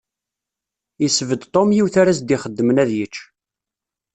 Yesbedd Tom yiwet ara s-d-ixeddmen ad yečč.